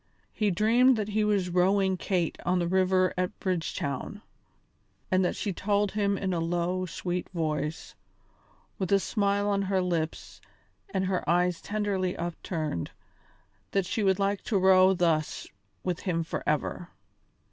He dreamed that he was rowing Kate on the river at Bridgetown, and that she told him in a low sweet voice, with a smile on her lips and her eyes tenderly upturned, that she would like to row thus with him forever.